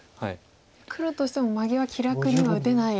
黒としてもマゲは気楽には打てない。